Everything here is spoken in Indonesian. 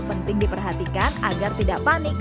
penting diperhatikan agar tidak panik